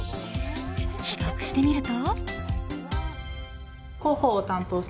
比較してみると。